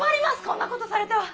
こんなことされては！